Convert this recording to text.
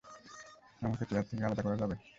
আমাকে চেয়ার থেকে আলাদা করা যাবে?